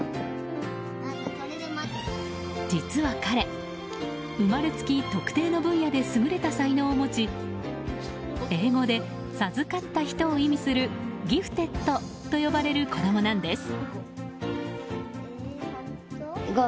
実は彼、生まれつき特定の分野で優れた才能を持ち英語で授かった人を意味するギフテッドと呼ばれる子供なんです。